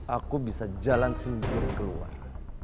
aku bisa jalan sendiri keluar